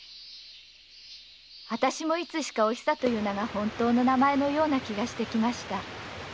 私もいつしか“お久”が本当の名前のような気がしてきました。